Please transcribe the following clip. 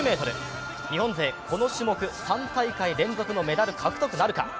日本勢、この種目３大会連続のメダル獲得なるか。